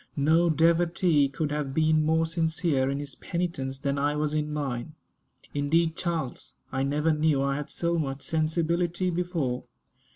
No devotee could have been more sincere in his penitence than I was in mine. Indeed, Charles, I never knew I had so much sensibility before.